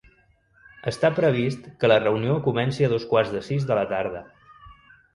Està previst que la reunió comenci a dos quarts de sis de la tarda.